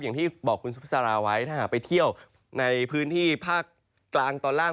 อย่างที่บอกคุณสุภาษาราไว้ถ้าหากไปเที่ยวในพื้นที่ภาคกลางตอนล่าง